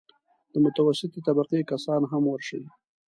د متوسطې طبقې کسان هم ورشي.